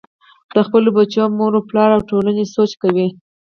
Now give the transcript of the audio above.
د خپلو بچو مور و پلار او ټولنې سوچ کوئ -